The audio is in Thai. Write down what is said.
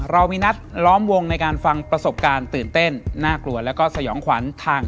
เรามีนัดล้อมวงในการฟังประสบการณ์ตื่นเต้นน่ากลัวแล้วก็สยองขวัญทาง